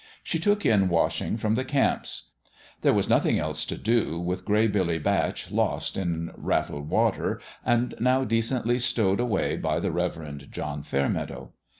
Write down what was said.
She took in washing from the camps : there was nothing else to do, with Gray Billy Batch lost in Rattle Wa ter, and now decently stowed away by the Rev erend John Fairmeadow.